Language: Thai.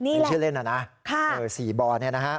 หนึ่งเชื่อเล่นน่ะนะสี่บอลแค่นี้นะคะค่ะ